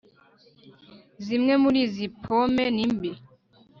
Zimwe muri izi pome ni mbi